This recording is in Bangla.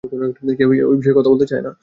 কেউই ঐ বিষয়ে কথা বলতে চায় না।